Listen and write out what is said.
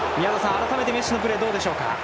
改めてメッシのプレーどうでしょうか？